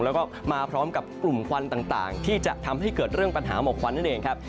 แล้วก็มาพร้อมกับกลุ่มควันต่างที่จะทำให้เกิดเรื่องปัญหาหมอกควันนั่นเองครับ